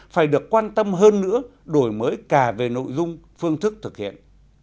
phải được quan tâm hơn nữa đổi mới cả về nội dung phương thức thực hiện